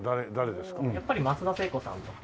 やっぱり松田聖子さんとか。